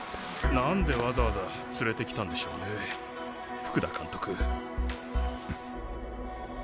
何でわざわざ連れてきたんでしょうね福田監督。